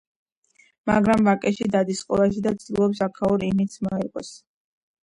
მაგრამ ვაკეში დადის სკოლაში და ცდილობს აქაურ იმიჯს მოერგოს.